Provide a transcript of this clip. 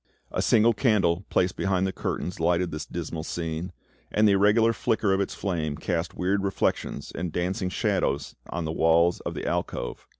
A single candle placed behind the curtains lighted this dismal scene, and the irregular flicker of its flame cast weird reflections and dancing shadows an the walls of the alcove.